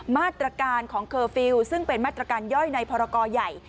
มาตรการของเคอร์ฟิลล์ซึ่งเป็นมาตรการย่อยในพรกรใหญ่